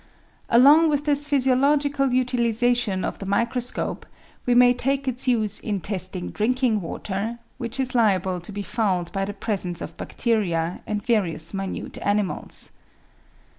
Along with this physiological utilisation of the microscope we may take its use in testing drinking water, which is liable to be fouled by the presence of bacteria and various minute animals.